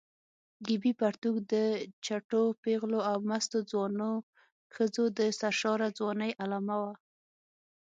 ګیبي پرتوګ د چټو پېغلو او مستو ځوانو ښځو د سرشاره ځوانۍ علامه وه.